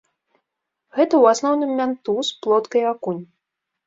Гэта ў асноўным мянтуз, плотка і акунь.